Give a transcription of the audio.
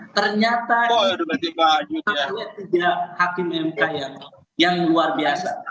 ternyata ada tiga hakim mk yang luar biasa